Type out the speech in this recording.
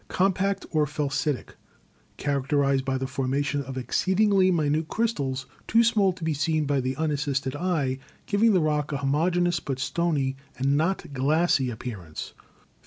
Com pact (or Felsitic). — Characterized by the formation of exceedingly minute crystals, too small to be seen by the unassisted eye, giving the rock a homogeneous but stony and not glassy appearance.